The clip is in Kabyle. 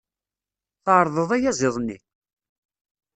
Tɛerḍeḍ ayaziḍ-nni?